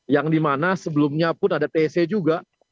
yang dimana sebelumnya pun ada tc juga